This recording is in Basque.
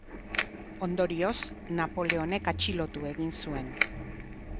Ondorioz, Napoleonek atxilotu egin zuen.